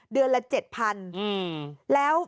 เดือนละ๗๐๐๐บาท